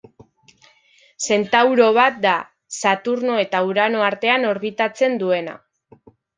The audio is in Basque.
Zentauro bat da, Saturno eta Urano artean orbitatzen duena.